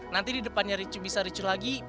nanti di depannya bisa ritcho lagi